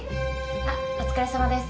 あっお疲れさまです。